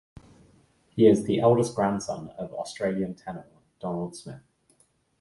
He is the eldest grandson of Australian tenor Donald Smith.